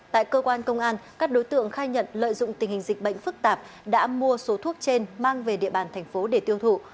tại cơ quan công an các đối tượng khai nhận lợi dụng tình hình dịch bệnh phức tạp đã mua số thuốc trên mang về địa bàn thành phố để tiêu thụ